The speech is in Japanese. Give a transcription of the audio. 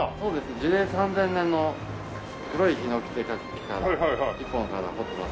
樹齢３０００年の黒いヒノキ一本から彫ってます。